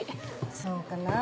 そうかな？